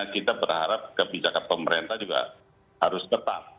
kita berharap kebijakan pemerintah juga harus tetap